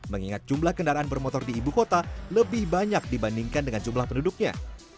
mengingat jumlah kendaraan bermotor di ibu kota lebih banyak dibandingkan dengan jumlah penduduknya